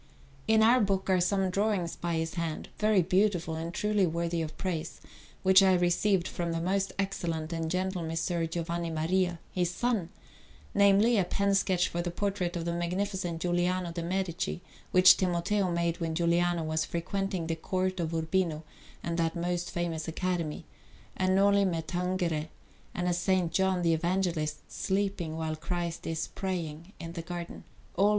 In our book are some drawings by his hand, very beautiful and truly worthy of praise, which I received from the most excellent and gentle Messer Giovanni Maria, his son namely, a pen sketch for the portrait of the Magnificent Giuliano de' Medici, which Timoteo made when Giuliano was frequenting the Court of Urbino and that most famous academy, a "Noli me tangere," and a S.